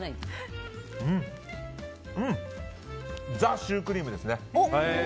ザ・シュークリームですね。